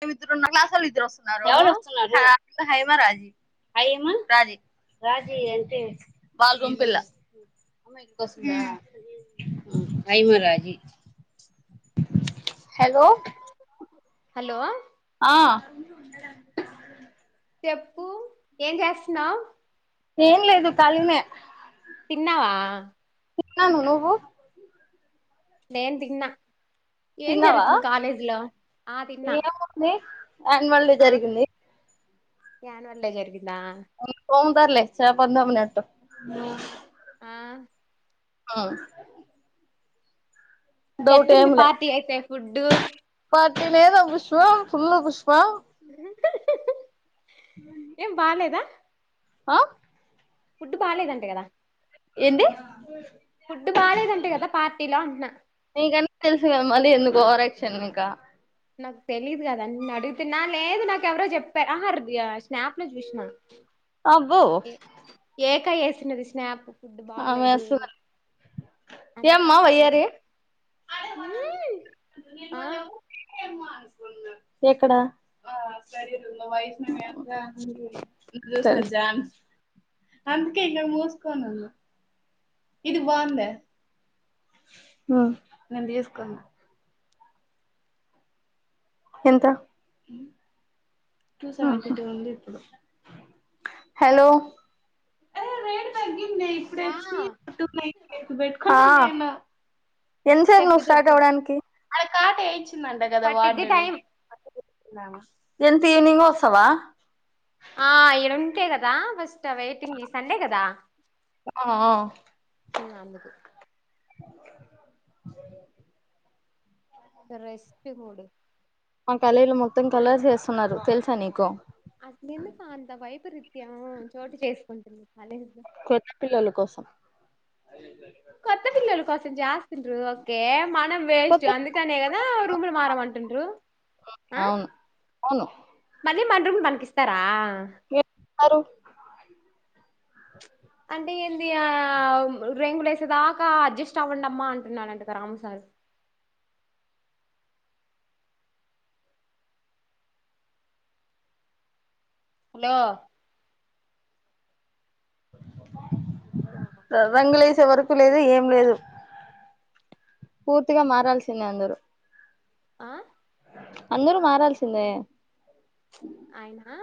మేం ఇద్దరం ఉన్నాం మా క్లాసోళ్ళు ఇద్దరు వస్తున్నారు హలో హైమా రాజీ హేమా రాజీ అంటే అమ్మాయి కోసమా హైమ రాజీ హలో హలో ఆ చెప్పు ఏం చేస్తున్నావ్ ఏం లేదు ఖాళీనే తిన్నావా తిన్నాను నువ్వు నేను తిన్నా ఏం తిన్నావా జరుగుతుంది కాలేజీలో ఆ తిన్నా అన్యూవల్ డే జరిగింది అన్యూవల్ డే జరిగిందా సర్లే [inaudible] మినట్ ఆ ఉమ్ ఎట్టుంది పార్టీ అయితే ఫుడ్డు పార్టీ లేదా పుష్ప ఫుల్ పుష్ప హా హ్మ్ ఏం బాలేదా ఆ ఫుడ్ బాలేదంట కదా ఏంది ఫుడ్ బాలేదంట కదా పార్టీలో అంటున్నా నీకన్నీ తెలుసు కదా మళ్ళీ ఎందుకు ఓవర్ యాక్షన్ ఇంకా నాకు తెలీదు కదా నిన్ను అడుగుతున్నా లేదు నాకెవరో చెప్పారు ఆహా స్నాప్ లో చూసిన అబ్బో ఏ ఏకా వేసినది స్నాప్ ఫుడ్ ఆమె బాలేదు వస్తున్నది ఏమ్మా అందుకని అడుగు వయ్యారి ఆ నుళ్ళ అకున్నా [unintelligible] ఎక్కడ స బాయ్స్ అంత వేశారు డాన్స్ అందుకే ఇగ మూసుకొని ఉన్నా ఇది బాంద ఉమ్ నేంత చేసుకోను ఎంత హలో అరే రేట్ తగ్గిందే ఆ ఇప్పుడ బెట్టు ఆ ఎంత సేపు చెప్పు నువ్వు స్టార్ట్ చెప్పు అవ్వడానికి అంట కదా పట్టిద్ది వార్డెను టైం ఎంత ఈవనింగ్ వస్తవా ఆ ఇడుంటే కదా బస్ వెయిటింగ్ సండే కదా ఆ ఆ అందుకు రెస్ట్ కోడు మా కాలేజీలో మొత్తం కలర్స్ వేస్తున్నారు తెలుసా నీకు అది ఎందుకు అంత వైపరీత్యం చోటు చేసుకుంటుంది కాలేజ్ లో కొత్త పిల్లోల్ల కోసం ట్రూ ఓకే మనం వేస్ట్ కొత్త అందుకనే కదా రూములు మారమంటుండ్రు ఆ అవును అవును మళ్ళీ మన రూములు మనకిస్తారా అరే అంటే ఏంది ఆవ్ రింగులే వేసేదాకా అడ్జస్ట్ అవ్వండమ్మా అంటున్నాడుంటగా రామ సార్ [inaudible] హలో స బంగళ [inaudible] ఇంత వరకు లేదు ఏం లేదు పూర్తిగా మారాల్సిందే అందరూ ఆ అందరూ మారాల్సిందే అయనా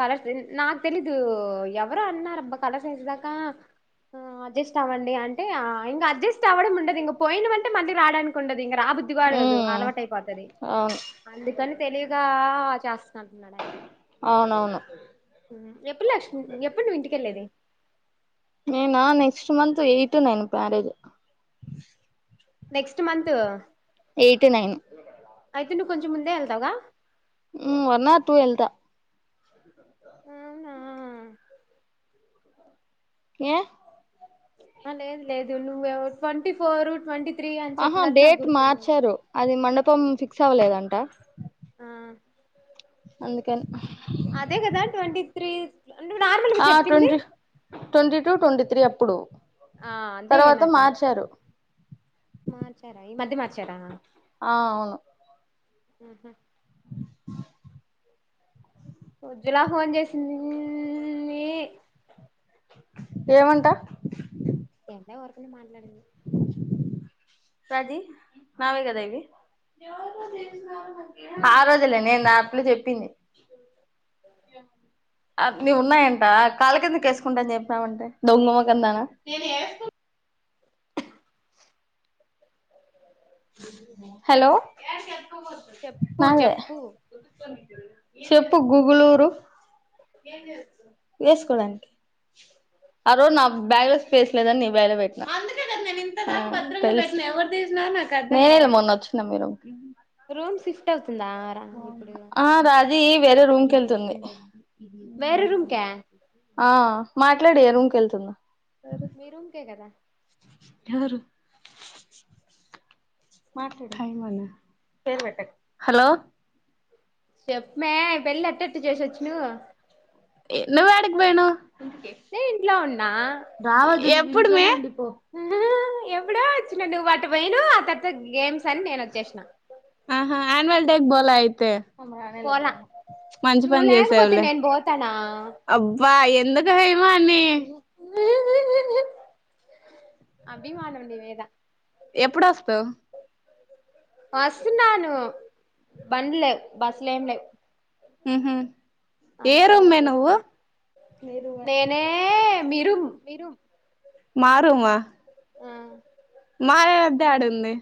కల నాకు తెలీదు ఎవరు అన్నార అబ్బా కలసేసదాకా ఆ అడ్జస్ట్ అవ్వండి అంటే ఇంకా అడ్జస్ట్ అవ్వడం ఉండదు ఇంక పోయిన అంటే మళ్కి రావడానికి ఉండదు ఇంక రా బుద్ధది వాడ కదు ఉమ్ అలవాటు అయిపోతుంది అవును అందుకని తెలియవిగా చేస్తున్నాను న్నాడయినా అవునవును ఎప్పుడు లక్ష్మి ఎప్పుడు నువ్వు ఇంటికెళ్ళేది నేనా next month eight nine marriage next month eight nine అయితే నువ్వు కొంచెం ముందే వెళ్తావా వన్నర్ ూ వెల్దా అవునా క లేదు లేదు నువ్ ట్వంటీ ఫోర్ ట్వంటీ త్రీ అని ఆహా చెప్పినట్టు నాకు డేట్ గుర్తుంది మార్చారు అది మండపం ఫిక్స్ అవ్వలేదంట ఆ అందుకని అదే కదా ట్వంటీ త్రీ నువ్వు నార్మల్గా ఆ చెప్పింది ట్వంటీ ట్వంటీ ూ ట్వంటీ త్రీ అప్పుడు ఆ అదే తర్వాత నా కా మార్చారు మార్చారా ఈ మధ్య మార్చారా ఆ అవును ఆహ ఉజ్వలా ఫోన్ చేసింది ఏమంటా అ రాజీ నావేగదైవి ఆ రోజులే నేను దాట్లు చెప్పింది అ అ నీ ఉన్నాయంట కాళ్ళ కిందక వేసుకుంటా అని చెప్పినామంటే దొంగమ్మ కిందనా హలో చెప్పు నాదే చెప్పు చెప్పు గుగుళూరు వేసుకోడానికినికి ఆ రోజు నా బ్యాగ్ లో స్పేస్ లేదని నీ బేగ లో పెట్టినా నేన వెలా మొన్న వచ్చిన మీరు రూమ్ సిిఫ్ట్ అవుతు ఆ రాజీ వేరే రూమ్ క వెళ్తుంది వేరే రూమ్కా ఆ మాట్లాడి ఎ రూమ్క వెళ్తుందా మీరు ఉకే కదా ఎవరు మాై మ హలో చెప్పమే పెళ్ళి అట్టట్టు చేసొచ్చు నువ్వు ఎ నువ అడిగ బేను నే ఇంట్లో ఉన్నా ఇప్పుడు అమ్మే ఎవడ వచ్చిన నువ్వు అటు పోను ఆ తర్వాత గేమ్స్ అని నేను వచ్చేసిన అన్యువల్ డేక్ బోలా అయితే పోలా మంచి నువ్వు పని లేకపోతే చేసావులే నేను పోతానా అబ్బా ఎంతొక హైమా అన్నే అభిమానం నీ మీద ఎప్పుడు వస్తావు్ వస్తున్నాను బండ్ లేవు బస్సులేం లేవు ఉంహు నేనే మిరుం మిరుం మా రుమా మారే అద్దే ఆడుంది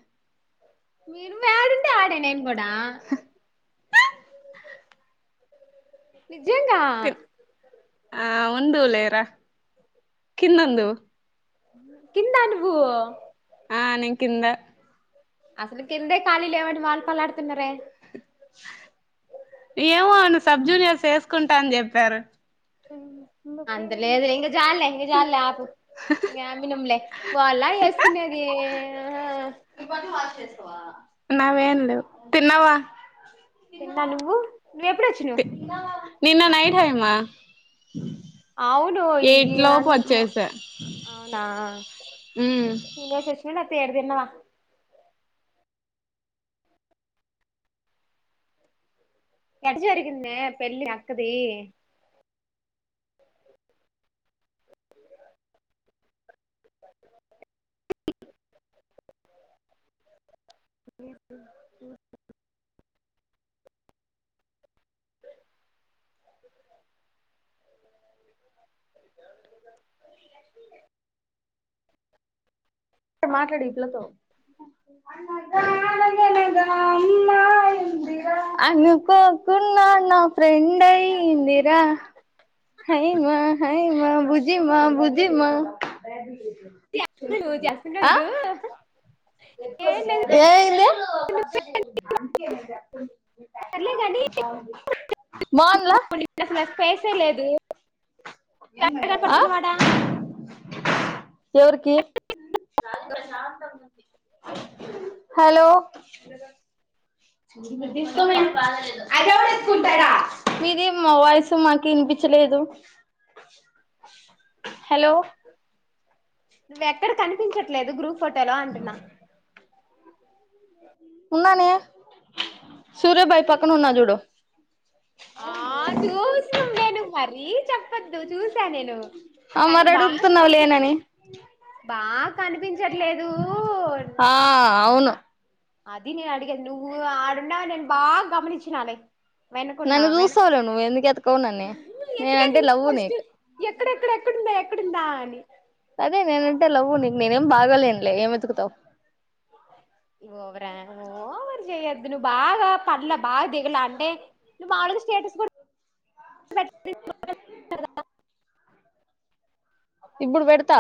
మీరుం యాడుంటే ఆడే నేను కూడా నిజేంగా తిన్ ఆ ఉందువ్ లేరా కిన్నొందువ్ కిందా నువు ఆ నేను కింద అసలు కిందే ఖాళీ లేవంటే వాళ్ళు కొల్లాడుతున్నారే ఏమో అను సబ్ జూనియర్స్ ఎసుకుంటా అని చెప్పారు అంతలేదు ఇంకా జాలే ఇంకా జాలే ఆపు ఇంగ ఏం గుణం లే వాళ్ళా ఏసుకునేది నావేం లేవు తిన్నావా తిన్నా నువ్వు నువ్వెప్పుడోచ్చినావ్ నిన్న నైట్ హైమా అవును ఈ అన్ మో అవునా తినేసోచిన నా [unintelligible] ఎట జరిగిందే పెళ్ళి మీ అక్కది అ ఇదో మాట్లాడు ఈ పిల్లతో అనుకోకున్ నా నా ఫ్రెండయ్యిందిర హయ మా హయ మా బుజిమా బుజిమా నువ్వు చేస్తున్నావ్ ఆ చూడు ఏం లేదు ఏదు సర్లే గాని బాన్ల ఎ పడుతున్నవాడా ఎవరికి హలో డిస్టర్బెన్స్ మీది మా వయసు మాకు ఇనిపించలేదు హలో నువ్వెక్కడ కనిపించట్లేదు గ్రూప్ ఫోటోలో అంటున్నా ఉన్నానే సూరయభాయి పక్కన ఉన్నా జుడు ఆ చూస్నం లే నువు మరి చెప్ కద్దు చూసా నేను ఆ కానీ మరి బాగా అడుగుతున్నావు కని లేనని బాగా కనిపించట్లేదు ఆ అంటు అవును అది నేను అడిగేది నువ్వు అడున్నవ్ నేను బాగా గమనించినాలే వెనకున్నా నన్ను చూస్తావులే నువ్వు వెనకున్నాడని ఎందుకు ఎతకవు నన్ను ఎత్తిక నేనంటే నిన్నే లవ్వు ఫస్ట్ నీకు ఎక్కడెక్కడ కుందా అని అదే నేనంటే లవ్వు నీకు నేనేం బాగాలేనులే ఏం వెతుకుతావు అ రి చేయొద్దు నువ్వు బాగా పంలా బాగా దిగలా అంటే నువ్వు మావులుగా స్టేటస్ కూడా ఇప్పుడు బెడతా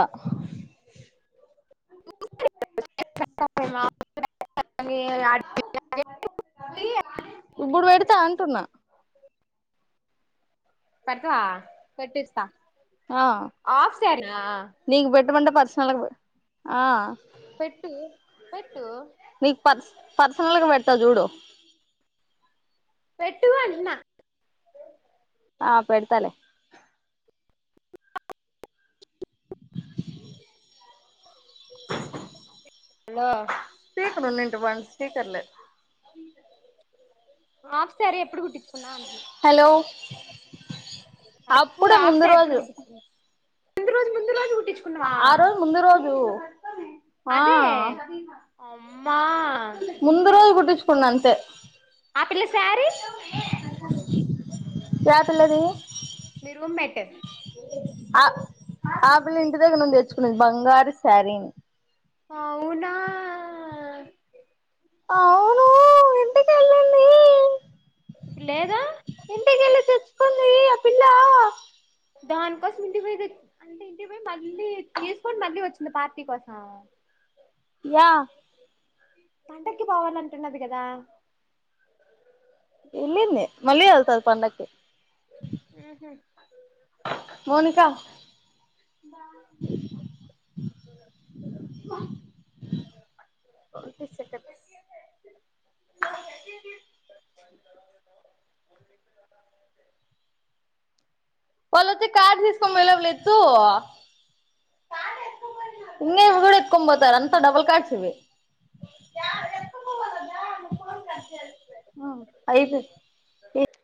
[unintelligible] ఇప్పుడు బెడతా అంటున్నా పెడతవా పెట్టిస్తా ఆ ఆఫ్ సారీనా నీక్ పెట్టమంటే పర్సనల్గా ఆ పెట్టు పెట్టు నీకు పర్స్ పర్సనల్గా పెడతా జూడు పెట్టు వనిన్న ఆ పెడతలే హలో స్పీకర్ ఉన్నేన్ వన్ స్పీకర్లే ఆఫ్ సారీ ఎప్పుడు కుటిచ్చు హలో నువ్వు అప్పుడే హాఫ్ ముందు సారీ ఎప్పుడు రోజు కుట్టించుకున్నావు ముందు రోజు ముందు రోజు కుట్టించుకున్నావా ఆ రోజు ముందు రోజు ఆ అదే అమ్మా ముందు రోజు కు ట్టిచుకున్నంతే ఆ పిల్ల సారీ యే పిల్లది మీ రూం మెట్ ఆ ఆపిల్ల ఇంటి దగ్గర నుండి తెచ్చుకున్నది బంగారు శారీని ఆవునా అవును ఇంటికెళ్ళింది ఇప్పుడు లేదా ఇంటికెళ్ళి తెచ్చుకుంది ఆ పిల్లా దానికోసం ఇంటి పోయి అంటే ఇంటికి పోయి మళ్ళీ తీసుకొని మళ్ళీ వచ్చిందా పార్టీ కోసం యా పండక్కి పోవాలంటున్నది గదా యెళ్ళింది మళ్ళీ యెళ్తది పండకి ఊహు మోనికా అమ్మా ట్వంటీ సెకండ్ [unintelligible] [inaudible] వాళ్ళు వచ్చి కాడ్స్ తీసుకొని పోయేలోపల యేత్తు ఇంగ ఇవి గూడా ఎత్కోనిబోతారు అంత డబల్ కాడ్స్ ఇవి ఎత్కపోవాలా దా ఐదు